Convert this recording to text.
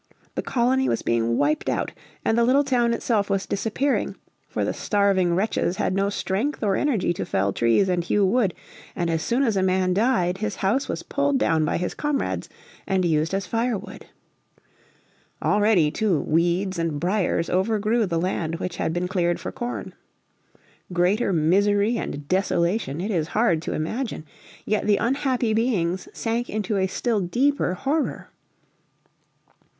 The colony was being wiped out, and the little town itself was disappearing; for the starving wretches had no strength or energy to fell trees and hew wood, and as soon as a man died his house was pulled down by his comrades and used as firewood. Already, too, weeds and briers overgrew the land which had been cleared for corn. Greater misery and desolation it is hard to imagine. Yet the unhappy beings sank into a still deeper horror.